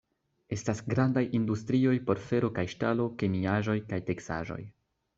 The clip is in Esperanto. Estas grandaj industrioj por fero kaj ŝtalo, kemiaĵoj kaj teksaĵoj.